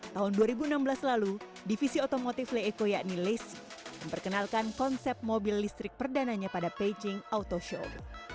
tahun dua ribu enam belas lalu divisi otomotif leeco yakni leice memperkenalkan konsep mobil listrik perdananya pada beijing auto show